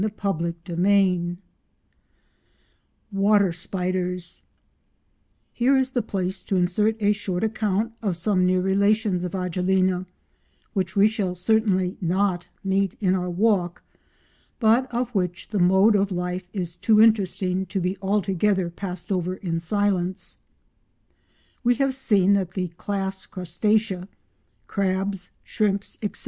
CHAPTER VII WATER SPIDERS Here is the place to insert a short account of some near relations of Agelena which we shall certainly not meet in our walk, but of which the mode of life is too interesting to be altogether passed over in silence. We have seen that the class Crustacea (crabs, shrimps, etc.)